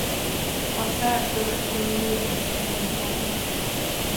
A szár töve fénylő gesztenyebarna.